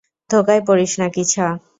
ধোকায় পড়িস না, কিছা।